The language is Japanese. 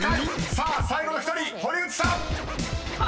さあ最後の１人堀内さん！］